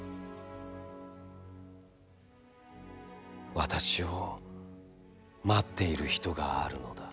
私を、待っている人があるのだ。